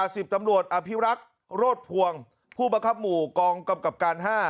สิบตำรวจอภิรักษ์โรธภวงผู้บังคับหมู่กองกำกับการ๕